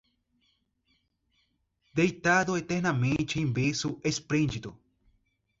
Deitado eternamente em berço esplêndido